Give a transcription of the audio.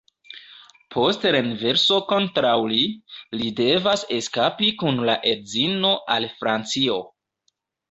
Post renverso kontraŭ li, li devas eskapi kun la edzino al Francio.